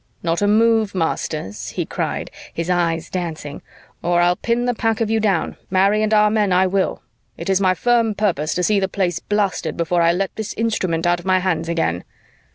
"Not a move, masters," he cried, his eyes dancing, "or I'll pin the pack of you down, marry and amen I will. It is my firm purpose to see the Place blasted before I let this instrument out of my hands again."